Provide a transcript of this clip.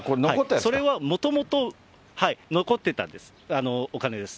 それはもともと残ってたお金です。